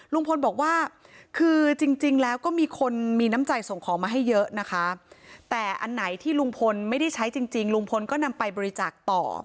ลุงพลบอกว่าคือจริงแล้วก็มีคนมีน้ำใจส่งของมาให้เยอะนะคะแต่อันไหนที่ลุงพลไม่ได้ใช้จริงลุงพลก็นำไปบริจาคต่อ